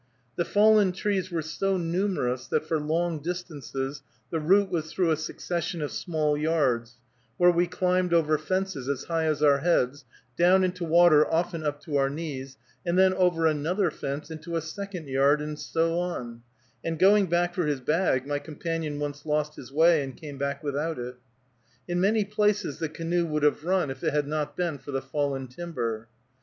The fallen trees were so numerous, that for long distances the route was through a succession of small yards, where we climbed over fences as high as our heads, down into water often up to our knees, and then over another fence into a second yard, and so on; and, going back for his bag, my companion once lost his way and came back without it. In many places the canoe would have run if it had not been for the fallen timber.